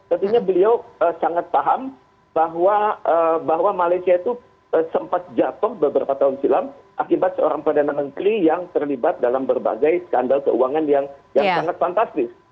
artinya beliau sangat paham bahwa malaysia itu sempat jatuh beberapa tahun silam akibat seorang perdana menteri yang terlibat dalam berbagai skandal keuangan yang sangat fantastis